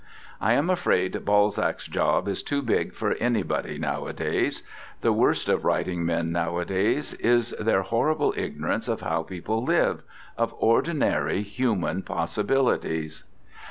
I am afraid Balzac's job is too big for anybody nowadays. The worst of writing men nowadays is their horrible ignorance of how people live, of ordinary human possibilities.